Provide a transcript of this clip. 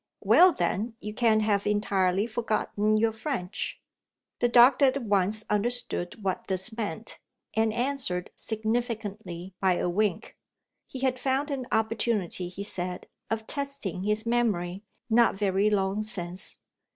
"Well, then, you can't have entirely forgotten your French?" The doctor at once understood what this meant, and answered significantly by a wink. He had found an opportunity (he said) of testing his memory, not very long since.